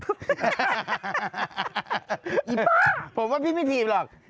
อีบ๊าผมว่าพี่ไม่พีบหรอก